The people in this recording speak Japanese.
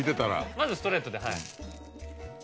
まずストレートではい。